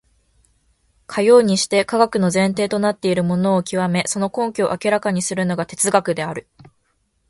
かようにして科学の前提となっているものを究め、その根拠を明らかにするのが哲学である。